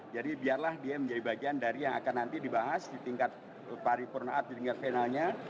jadi biarlah dia menjadi bagian dari yang akan nanti dibahas di tingkat paripurnaat di tingkat finalnya